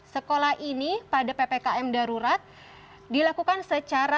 sekolah ini pada ppkm darurat dilakukan secara